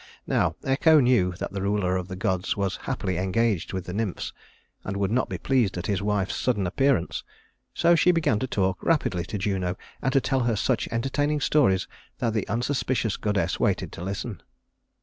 Now Echo knew that the ruler of the gods was happily engaged with the nymphs, and would not be pleased at his wife's sudden appearance; so she began to talk rapidly to Juno, and to tell her such entertaining stories that the unsuspicious goddess waited to listen.